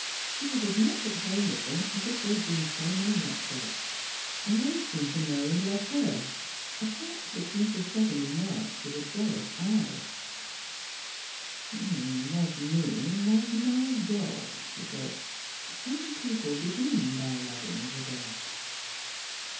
She was as much at home with them as if they had been so many lap dogs, and they seemed to know and bve her, a fact which Mrs. Chevenix marked with a jealous eye. Strangers and Pilgrims, IH •* Love me, love my dog," she thouglit ;" some people begin by loving the dog."